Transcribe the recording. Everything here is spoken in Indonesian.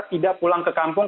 tidak pulang ke kampung